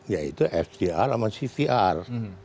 yaitu fdr sama cvr